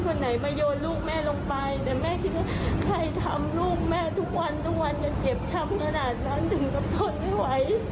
จะเจ็บช้ำขนาดนั้นถึงก็ทนไม่ไหว